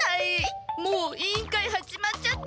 もう委員会始まっちゃってるのに！